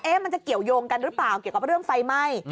มันจะเกี่ยวยงกันหรือเปล่าเกี่ยวกับเรื่องไฟไหม้